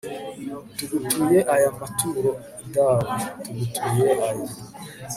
tugutuye aya mature dawe, tugutuye aya